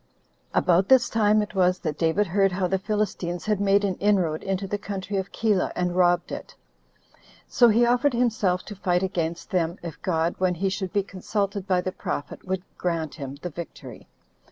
1. About this time it was that David heard how the Philistines had made an inroad into the country of Keilah, and robbed it; so he offered himself to fight against them, if God, when he should be consulted by the prophet, would grant him the victory.